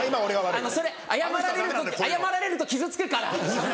それ謝られると謝られると傷つくから！